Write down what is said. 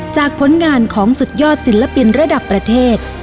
ผลงานของสุดยอดศิลปินระดับประเทศ